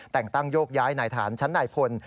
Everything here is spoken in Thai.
แต่งตั้งโยกย้ายนายฐานชั้นนายพล